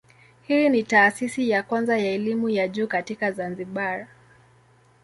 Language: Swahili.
Hii ni taasisi ya kwanza ya elimu ya juu katika Zanzibar.